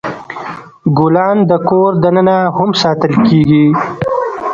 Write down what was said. ګلان د کور دننه هم ساتل کیږي.